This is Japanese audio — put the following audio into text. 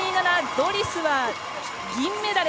ドリスは銀メダル。